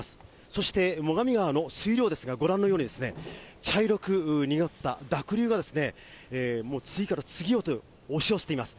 そして最上川の水量ですが、ご覧のように茶色く濁った濁流が、もう次から次へと押し寄せています。